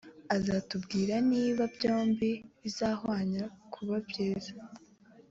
azatubwira niba byombi bizahwanya kuba byiza